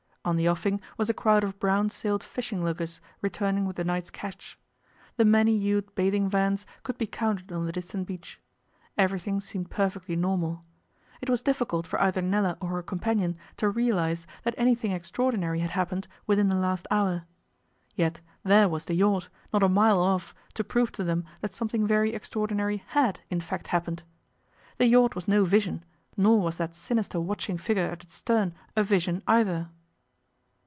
On the offing was a crowd of brown sailed fishing luggers returning with the night's catch. The many hued bathing vans could be counted on the distant beach. Everything seemed perfectly normal. It was difficult for either Nella or her companion to realize that anything extraordinary had happened within the last hour. Yet there was the yacht, not a mile off, to prove to them that something very extraordinary had, in fact, happened. The yacht was no vision, nor was that sinister watching figure at its stern a vision, either.